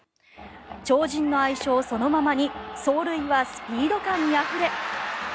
超人の愛称そのままに走塁はスピード感にあふれ。